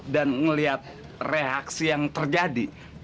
dan ngeliat reaksi yang terjadi